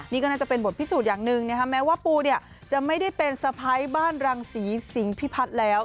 นี่ก็น่าจะเป็นบทพิสูจน์อย่างหนึ่งนะคะแม้ว่าปูเนี่ยจะไม่ได้เป็นสะพ้ายบ้านรังศรีสิงพิพัฒน์แล้ว